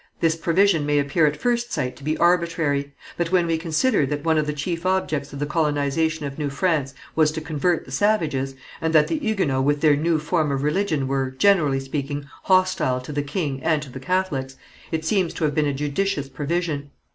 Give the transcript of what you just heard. This provision may appear at first sight to be arbitrary, but when we consider that one of the chief objects of the colonization of New France was to convert the savages, and that the Huguenots with their new form of religion were, generally speaking, hostile to the king and to the Catholics, it seems to have been a judicious provision.